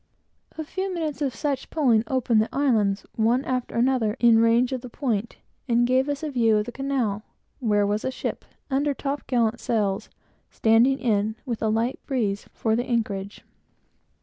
A few minutes of such pulling opened the islands, one after another, in range of the point, and gave us a view of the Canal, where was a ship, under top gallant sails, standing in, with a light breeze, for the anchorage.